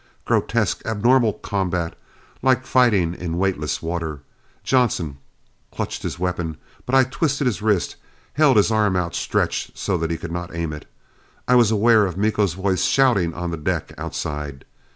Grotesque, abnormal combat! Like fighting in weightless water. Johnson clutched his weapon, but I twisted his wrist, held his arm outstretched so that he could not aim it. I was aware of Miko's voice shouting on the deck outside.